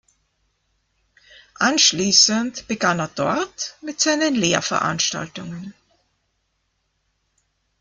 Anschließend begann er dort mit seinen Lehrveranstaltungen.